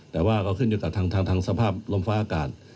แต่ว่าก็ขึ้นอยู่กับทางสภาพลมฟ้าอากาศ